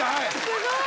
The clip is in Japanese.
すごい！